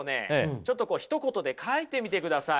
ちょっとひと言で書いてみてください。